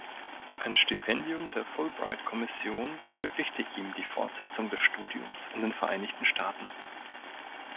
Ein Stipendium der Fulbright-Kommission ermöglichte ihm die Fortsetzung des Studiums in den Vereinigten Staaten.